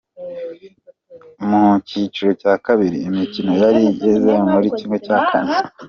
Mu cyiciro cya kabiri, imikino yari igeze muri kimwe cya kane